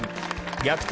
逆転